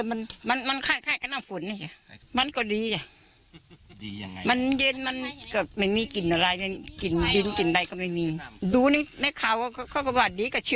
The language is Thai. เอาไปทำอะไรอะ